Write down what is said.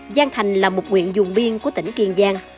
giang thành là một nguyện dùng biên của tỉnh kiên giang